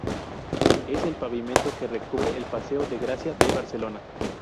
Es el pavimento que recubre el paseo de Gracia de Barcelona.